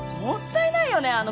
もったいないよね。